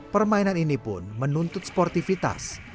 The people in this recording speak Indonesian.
permainan ini pun menuntut sportivitas